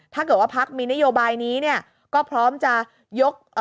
ถ้าเกิดว่าพักมีนโยบายนี้ก็พร้อมจะยก